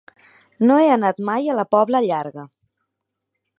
No he anat mai a la Pobla Llarga.